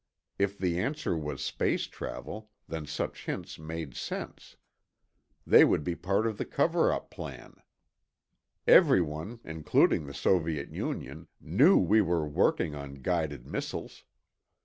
If the answer was space travel, then such hints made sense, They would be part of the cover up plan. Everyone—including the Soviet Union—knew we were working on guided missiles.